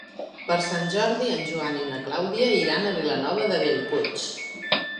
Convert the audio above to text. Per Sant Jordi en Joan i na Clàudia iran a Vilanova de Bellpuig.